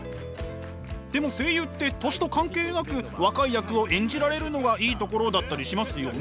でも声優って年と関係なく若い役を演じられるのがいいところだったりしますよね？